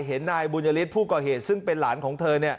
นายบุญยฤทธิ์ผู้ก่อเหตุซึ่งเป็นหลานของเธอ